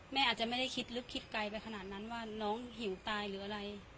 อาจจะไม่ได้คิดลึกคิดไกลไปขนาดนั้นว่าน้องหิวตายหรืออะไร